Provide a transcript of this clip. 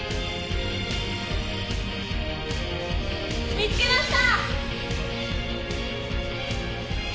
見つけました！